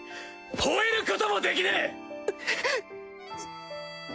ほえることもできねえ！